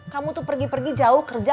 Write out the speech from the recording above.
kamu tuh pergi pergi jauh kerja